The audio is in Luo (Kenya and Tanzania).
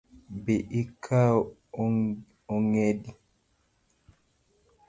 Bi ikaw ongedi